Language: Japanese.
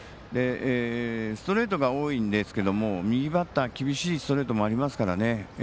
ストレートが多いんですけど右バッター、厳しいストレートもありますからね。